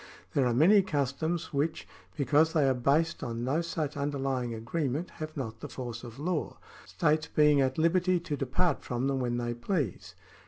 There are many customs which, because they are based on no such underlying agree ment, have not the force of law, states being at liberty to depart from them when they please.